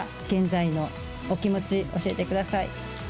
現在のお気持ち、教えてください。